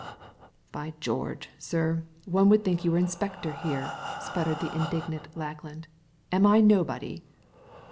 "By George, sir, one would think you were in spector here !" spluttered the indignant Lackland. "Am I nobody?"